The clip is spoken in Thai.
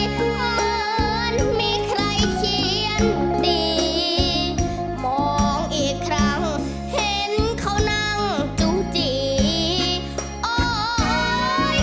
ตรงนี้ค่าใจจะบ้าแล้วต่อมาจะมีอะไร